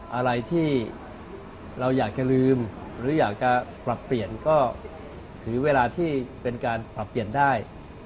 อะไรที่เราอยากจะลืมหรืออยากจะปรับเปลี่ยนก็ถือเวลาที่เป็นการปรับเปลี่ยนได้